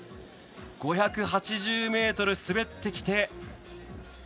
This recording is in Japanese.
５８０ｍ滑ってきて２６